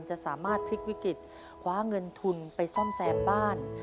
จะสามารถพลิกวิกฤตคว้าเงินทุนไปซ่อมแซมบ้าน